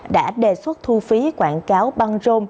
đã đề xuất thu phí quảng cáo băng rôm